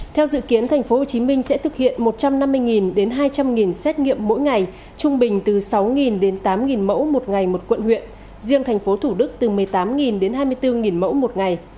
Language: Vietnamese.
theo dự kiến tp hcm sẽ thực hiện một trăm năm mươi hai trăm linh xét nghiệm mỗi ngày trung bình từ sáu tám mẫu một ngày một quận huyện riêng tp thủ đức từ một mươi tám hai mươi bốn mẫu một ngày